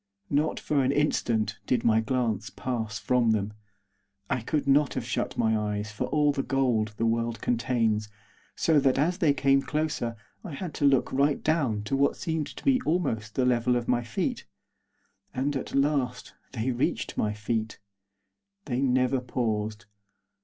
Not for an instant did my glance pass from them, I could not have shut my eyes for all the gold the world contains! so that as they came closer I had to look right down to what seemed to be almost the level of my feet. And, at last, they reached my feet. They never paused.